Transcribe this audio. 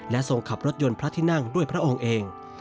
ทรงขับรถยนต์พระที่นั่งด้วยพระองค์เอง